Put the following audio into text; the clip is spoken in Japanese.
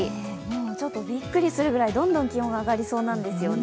ちょっとびっくりするくらいどんどん気温が上がりそうなんですよね。